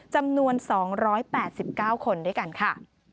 จำนวน๒๘๙คนด้วยกันค่ะ